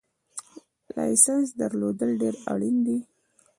لایسنس درلودل ډېر اړین دي